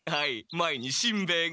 前にしんべヱが。